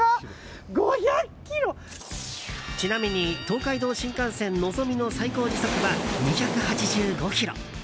ちなみに東海道新幹線「のぞみ」の最高時速は２８５キロ。